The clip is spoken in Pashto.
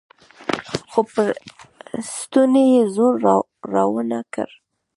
خو پر ستوني يې زور راونه کړ.